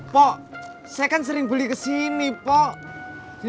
pok saya kan sering beli kesini pok